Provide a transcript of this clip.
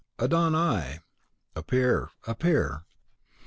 Adon Ai! appear, appear!"